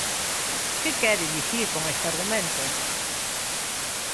¿Que quere dicir con este argumento?